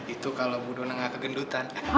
itu kalau bu dona gak kegendutan